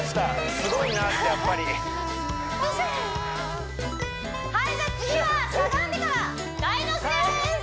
すごいなってやっぱりはいじゃあ次はしゃがんでから大の字でーす